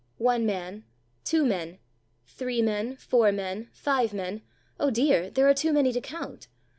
One man, two men, three men, four men, five men; oh, dear! there are too many to count.